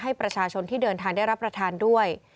ให้ประชาชนที่เดินทางได้รับประทานด้วย